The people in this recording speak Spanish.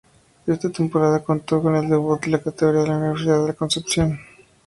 Esta temporada contó con el debut en la categoría de la Universidad de Concepción.